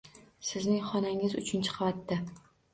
Sizning xonangiz uchinchi qavatda.